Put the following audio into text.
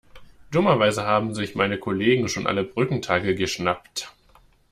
Dummerweise haben sich meine Kollegen schon alle Brückentage geschnappt.